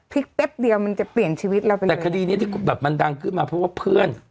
แป๊บเดียวมันจะเปลี่ยนชีวิตแล้วเป็นไงแต่คดีนี้ที่แบบมันดังขึ้นมาเพราะว่าเพื่อน